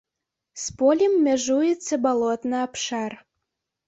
З полем мяжуецца балотны абшар.